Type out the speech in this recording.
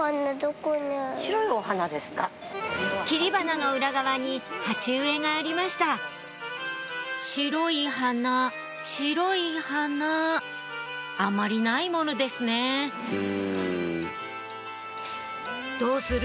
切り花の裏側に鉢植えがありました白い花白い花あまりないものですねどうする？